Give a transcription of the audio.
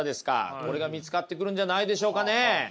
これが見つかってくるんじゃないでしょうかね。